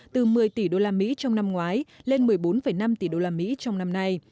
từ một mươi tỷ đô la mỹ trong năm ngoái lên một mươi bốn năm tỷ đô la mỹ trong năm nay